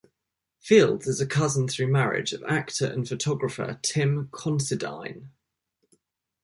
Fields is a cousin through marriage of actor and photographer Tim Considine.